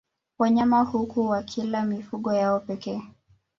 Wanyama huku wakila mifugo yao pekee